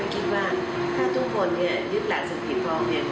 ไม่คิดว่าถ้าทุกคนเนี่ยยึดหลังสภิพองเนี่ย